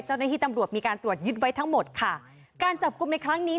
เจ้าหน้าที่ตำรวจมีการตรวจยึดไว้ทั้งหมดค่ะการจับกลุ่มในครั้งนี้